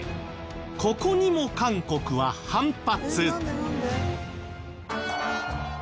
ここにも韓国は反発。